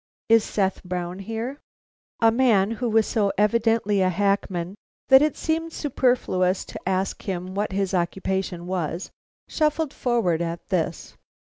Is Seth Brown here?" A man, who was so evidently a hackman that it seemed superfluous to ask him what his occupation was, shuffled forward at this.